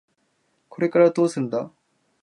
これからどうするんだ？